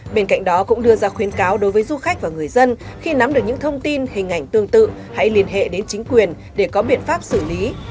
bên cạnh đó cũng đưa ra khuyến cáo đối với du khách và người dân khi nắm được những thông tin hình ảnh tương tự hãy liên hệ đến chính quyền để có biện pháp xử lý